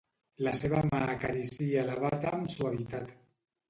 La seva mà acaricia la bata amb suavitat.